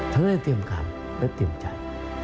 ทั้งได้เตรียมการและเตรียมใจ